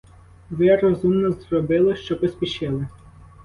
Ви розумно зробили, що поспішили.